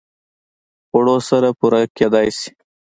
خوړو سره پوره کېدای شي